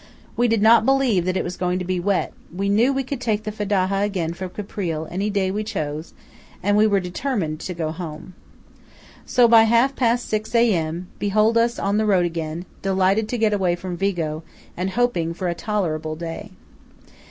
We did not believe that it was going to be wet; we knew we could take the Fedaja again from Caprile any day we chose; and we were determined to go home. So by half past six A.M., behold us on the road again, delighted to get away from Vigo, and hoping for a tolerable day.